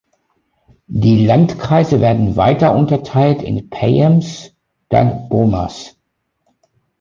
Die Landkreise werden weiter unterteilt in „Payams“, dann „Bomas“.